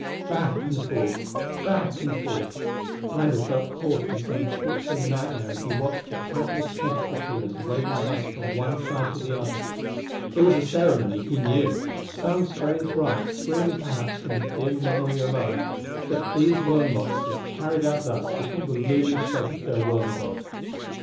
Back and forth back and forth Randall felt caught in some torturing nightmare as he watched the countless tentacle feelers waving thus from one side to the other. It was a ceremony, he knew some strange rite springing perhaps from dim memory alone, that these worm monsters carried out thus before the looming shape of their worm god.